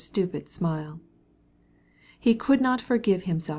This idiotic smile he could not forgive himself.